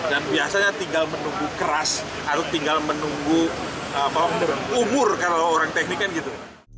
dan biasanya tinggal menunggu keras atau tinggal menunggu umur kalau orang teknik kan gitu